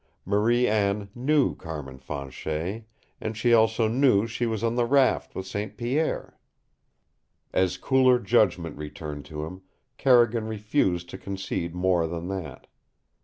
Marie Anne knew Carmin Fanchet, and she also knew she was on the raft with St. Pierre. As cooler judgment returned to him, Carrigan refused to concede more than that.